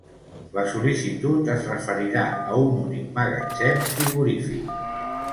La sol·licitud es referirà a un únic magatzem frigorífic.